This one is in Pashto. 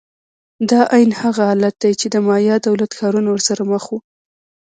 دا عین هغه حالت دی چې د مایا دولت ښارونه ورسره مخ وو.